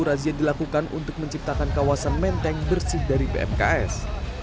rahasia dilakukan untuk menciptakan kawasan menteng bersih dari pnks